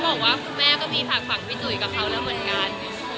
บอกว่าคุณแม่ก็มีฝากฝั่งพี่จุ๋ยกับเขาแล้วเหมือนกัน